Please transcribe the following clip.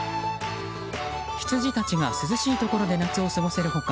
ヒツジたちが涼しいところで夏を過ごせる他